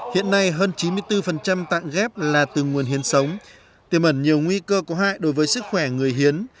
hiện nay hơn chín mươi bốn tạng ghép là từ nguồn hiến sống tiềm ẩn nhiều nguy cơ có hại đối với sức khỏe người hiến